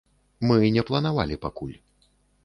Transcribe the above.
Мы не планавалі пакуль.